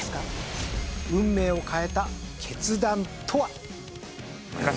運命を変えた決断とは？